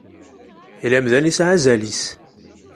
Yal amdan yesɛa azal-is.